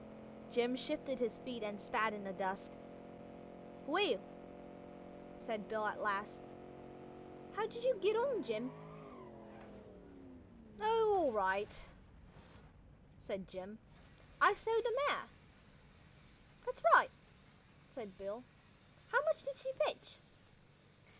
Jim shifted his feet and spat in the dust. "Well," said Bill at last. "How did you get on, Jim?" "Oh, all right," said Jim. "I sold the mare." "That's right," said Bill. "How much did she fetch?"